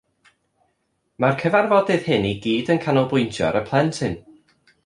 Mae'r cyfarfodydd hyn i gyd yn canolbwyntio ar y plentyn